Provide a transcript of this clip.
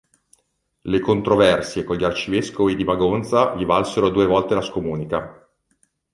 Le controversie con gli arcivescovi di Magonza gli valsero due volte la scomunica.